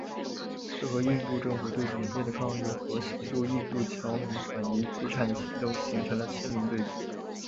这和印度政府对缅甸的抗议和协助印度侨民转移资产的行动形成了鲜明对比。